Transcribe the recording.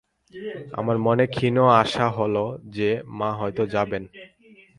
আমার মনে ক্ষীণ আশা হল যে মা হয়তো যাবেন।